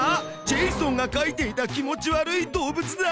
ジェイソンが描いていた気持ち悪い動物だ。